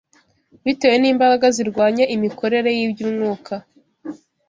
bitewe n’imbaraga zirwanya imikorere y’iby’umwuka.